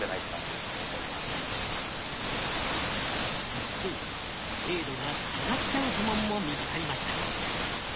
一方精度が下がっちゃう呪文も見つかりました。